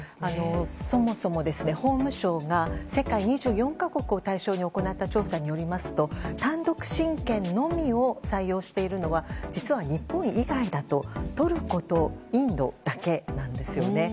そもそも、法務省が世界２４か国を対象に行った調査によりますと単独親権のみを採用しているのは実は日本以外だとトルコとインドだけなんですよね。